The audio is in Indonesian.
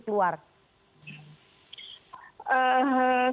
hasil visum itu keluar